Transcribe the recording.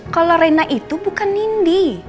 kalau rena itu bukan nindi